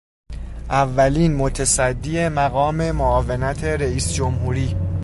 اولین متصدی مقام معاونت رئیس جمهوری